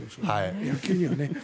野球には。